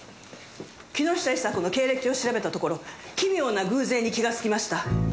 木下伊沙子の経歴を調べたところ奇妙な偶然に気がつきました。